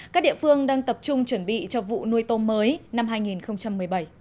các địa phương đang tập trung chuẩn bị cho vụ nuôi tôm mới năm hai nghìn một mươi bảy